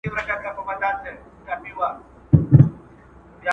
د استقامت له لارې انسان د شيطان وسوسې ځواب ورکوي.